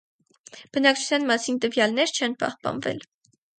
Բնակչության մասին տվյալներ չեն պահպանվել։